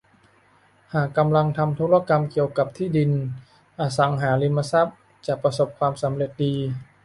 หากกำลังทำธุรกรรมเกี่ยวกับที่ดิน อสังหาริมทรัพย์ จะประสบความสำเร็จดี